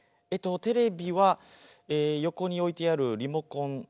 えっとテレビは横に置いてあるリモコン。